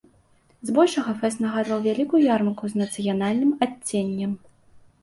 З большага фэст нагадваў вялікую ярмарку з нацыянальным адценнем.